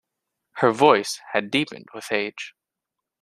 Her voice had deepened with age.